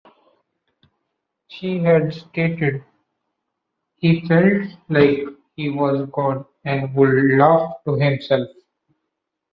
She had stated, He felt like he was God and would laugh to himself.